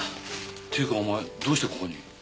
っていうかお前どうしてここに？